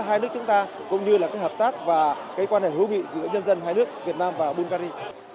hai nước chúng ta cũng như hợp tác và quan hệ hữu nghị giữa dân dân hai nước việt nam và bulgaria